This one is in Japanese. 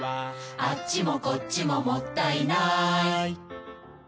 「あっちもこっちももったいない」